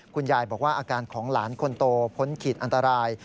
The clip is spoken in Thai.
คุณยายบอกว่าอาการของหลานคนโตพ้นขีดอันตราย